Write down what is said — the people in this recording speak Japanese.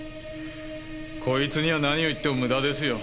こいつには何を言っても無駄ですよ。